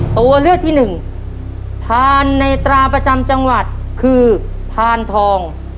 ตัวเลือกที่หนึ่งพานในตราประจำจังหวัดคือพานทอง